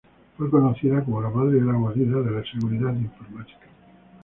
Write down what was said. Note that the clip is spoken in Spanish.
Fue conocida como la "madre de la guarida de la seguridad informática".